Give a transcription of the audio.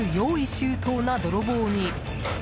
周到な泥棒に。